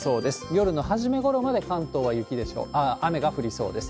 夜の初めごろまで関東は雨が降りそうです。